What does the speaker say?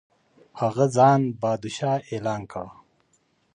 هغه ځان پادشاه اعلان کړ.